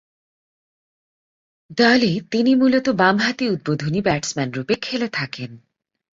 দলে তিনি মূলতঃ বামহাতি উদ্বোধনী ব্যাটসম্যানরূপে খেলে থাকেন।